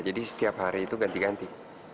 jadi setiap hari itu ganti ganti